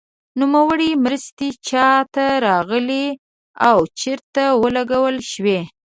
نوموړې مرستې چا ته راغلې او چیرته ولګول شوې.